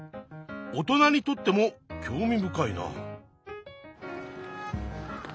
大人にとっても興味深いなあ。